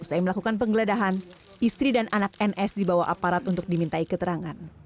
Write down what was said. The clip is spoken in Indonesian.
usai melakukan penggeledahan istri dan anak ns dibawa aparat untuk dimintai keterangan